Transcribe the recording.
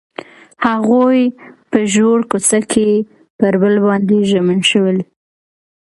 هغوی په ژور کوڅه کې پر بل باندې ژمن شول.